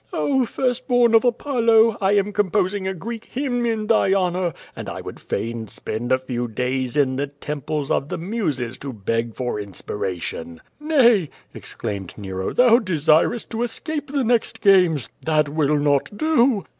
"Oh, First born of Apollo, I am composing a Greek hymn in thy honor, and I would fain spend a few days in the temples of the muses to beg for in spiration." "Nay!" exclaimed Nero, "thou desirest to escape the next games; that will not do."